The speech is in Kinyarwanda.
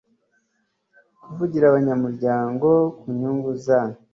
kuvugira abanyamuryango ku nyungu za